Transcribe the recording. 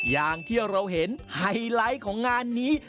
อย่างที่เราเห็นไฮไลท์ของงานนี้